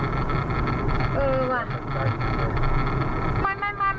คือทำอะไรเพื่ออะไร